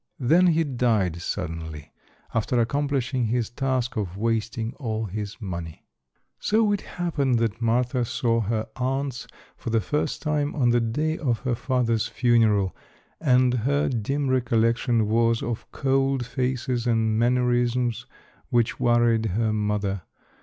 Then he died suddenly, after accomplishing his task of wasting all his money. So it happened that Martha saw her aunts for the first time on the day of her father's funeral, and her dim recollection was of cold faces and mannerisms which worried her mother.